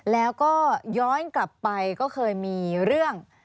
แล้วก็ย้อนกลับไปก็เคยมีเรื่อง